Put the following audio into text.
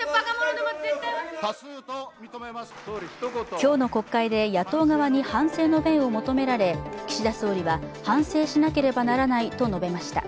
今日の国会で野党側に反省の弁を求められ岸田総理は、反省しなければならないと述べました。